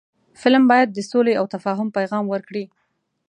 فلم باید د سولې او تفاهم پیغام ورکړي